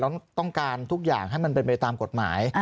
แล้วต้องการทุกอย่างให้มันเป็นไปตามกฎหมาย